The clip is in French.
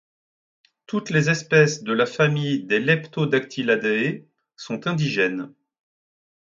Toutes les espèces de la famille des Leptodactylidae sont indigènes.